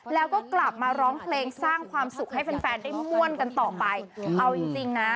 แล้วก็กลับมาร้องเพลงสร้างความสุขให้แฟนแฟนได้ม่วนกันต่อไปเอาจริงจริงนะ